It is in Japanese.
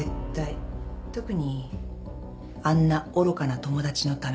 特にあんな愚かな友達のためには。